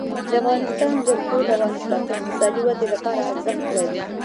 د افغانستان جلکو د افغانستان د اقتصادي ودې لپاره ارزښت لري.